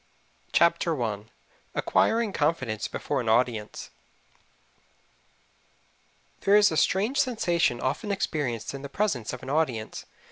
CHAPTER I ACQUIRING CONFIDENCE BEFORE AN AUDIENCE There is a strange sensation often experienced in the presence of an audience.